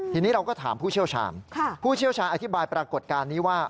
ทีนี้เราก็ถามผู้เชี่ยวชาญผู้เชี่ยวชาญอธิบายปรากฏการณ์นี้ว่า